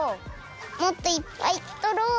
もっといっぱいとろう！